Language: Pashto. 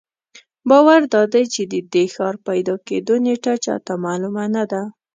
باور دادی چې د دې ښار پیدا کېدو نېټه چا ته معلومه نه ده.